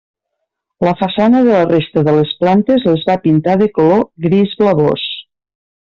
La façana de la resta de les plantes les va pintar de color gris blavós.